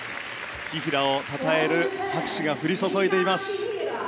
紀平をたたえる拍手が降り注いでいます。